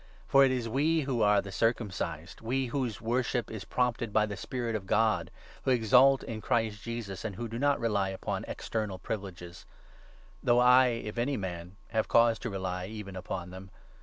For it is we who are the 3 circumcised — we whose worship is prompted by the Spirit of God, who exult in Christ Jesus, and who do not rely upon external privileges ; though I, if any man, have cause to rely 4 even upon them.